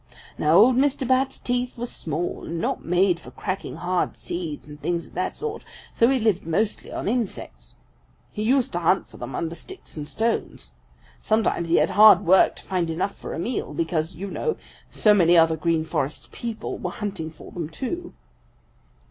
"Now old Mr. Bat's teeth were small and not made for cracking hard seeds and things of that sort, so he lived mostly on insects. He used to hunt for them under sticks and stones. Sometimes he had hard work to find enough for a meal, because, you know, so many other Green Forest people were hunting for them too.